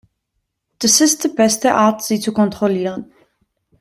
Das ist die beste Art, sie zu kontrollieren.